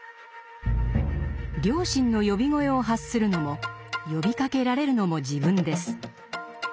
良心の呼び声を発するのも呼びかけられるのも自分です。